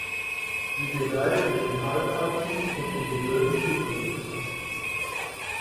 Sie gedeiht in den Kalkalpen und den Gebirgen Südeuropas.